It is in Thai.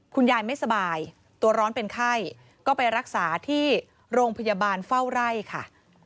คุณยายไม่สบายตัวร้อนเป็นไข้ก็ไปรักษาที่โรงพยาบาลเฝ้าไร่ค่ะ